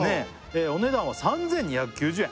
「お値段は３２９０円」